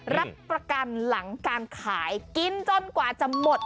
รับประกันหลังการขายกินจนกว่าจะหมด